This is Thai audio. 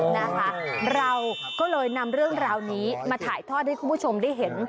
นะคะเราก็เลยนำเรื่องราวนี้มาถ่ายทอดให้คุณผู้ชมได้เห็น